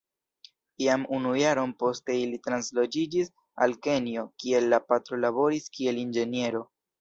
Jam unu jaron poste ili transloĝiĝis al Kenjo kie la patro laboris kiel inĝeniero.